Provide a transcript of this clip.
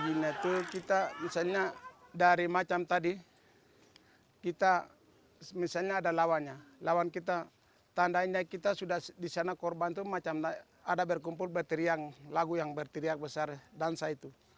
china itu kita misalnya dari macam tadi kita misalnya ada lawannya lawan kita tandanya kita sudah di sana korban itu macam ada berkumpul berteriang lagu yang berteriak besar dansa itu